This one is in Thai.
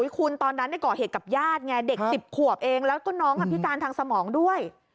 คุณตอนนั้นก่อเหตุกับญาติไงเด็ก๑๐ขวบเองแล้วก็น้องพิการทางสมองด้วย